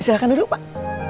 ya silahkan duduk pak